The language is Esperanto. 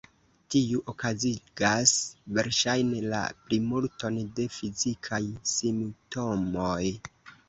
Tiu okazigas verŝajne la plimulton de fizikaj simptomoj.